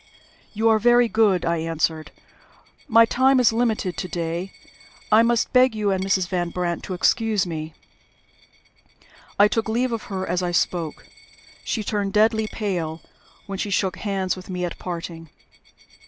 "You are very good," I answered. "My time is limited to day. I must beg you and Mrs. Van Brandt to excuse me." I took leave of her as I spoke. She turned deadly pale when she shook hands with me at parting.